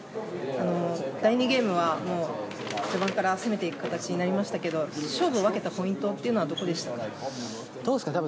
第２ゲームは序盤から攻めていく形になりましたが勝負を分けたポイントはどこでしたか？